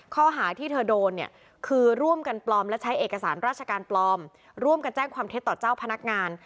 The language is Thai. ข้อหาที่เธอโดนเนี่ยคือร่วมกันปลอมและใช้เอกสารราชการปลอมร่วมกันแจ้งความเท็จต่อเจ้าพนักงาน